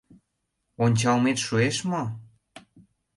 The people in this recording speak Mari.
— Ончалмет шуэш мо?